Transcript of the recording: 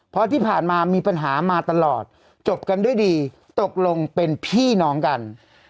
เพราะที่ผ่านมามีปัญหามาตลอดจบกันด้วยดีตกลงเป็นพี่น้องกัน